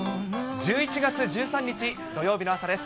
１１月１３日土曜日の朝です。